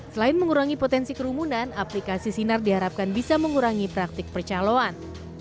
selain mengurangi potensi kerumunan aplikasi sinar diharapkan bisa mengurangi praktik percaloan